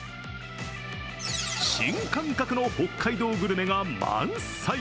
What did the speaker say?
新感覚の北海道グルメが満載。